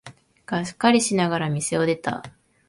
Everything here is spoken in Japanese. がっかりしながら店を出た。